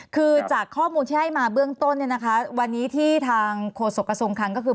คือจากข้อมูลที่ให้มาเบื้องต้นเนี่ยนะคะวันนี้ที่ทางโฆษกระทรวงคลังก็คือ